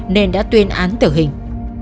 nên đã tuyên án tử hình